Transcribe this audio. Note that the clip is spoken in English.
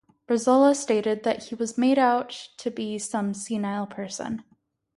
Brizola stated that he was "made out to be some senile person".